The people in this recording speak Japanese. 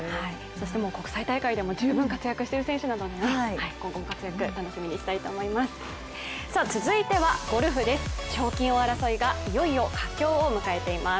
国際大会でも十分活躍している選手ですので、今後も活躍楽しみにしたいと思います。